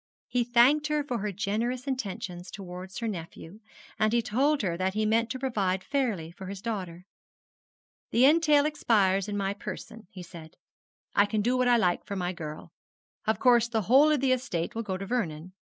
He thanked her for her generous intentions towards her nephew; and he told her that he meant to provide fairly for his daughter. 'The entail expires in my person,' he said; 'I can do what I like for my girl. Of course the whole of the estate will go to Vernon.